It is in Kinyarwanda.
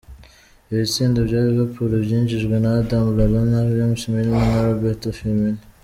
Ibitsindo vya Liverpool vyinjijwe na Adam Lallana, James Milner na Roerto Firmino.